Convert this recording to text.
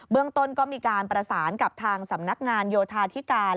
เรื่องต้นก็มีการประสานกับทางสำนักงานโยธาธิการ